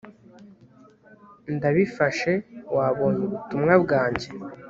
ndabifashe wabonye ubutumwa bwanjye